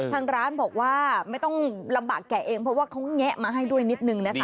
ทางร้านบอกว่าไม่ต้องลำบากแกะเองเพราะว่าเขาแงะมาให้ด้วยนิดนึงนะคะ